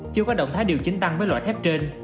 chưa có động thái điều chỉnh tăng với loại thép trên